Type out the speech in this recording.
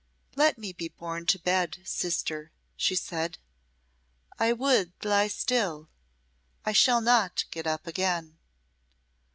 "Let me be borne to bed, sister," she said. "I would lie still. I shall not get up again."